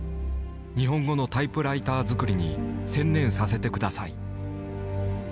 日本語のタイプライター作りに専念させて下さい」。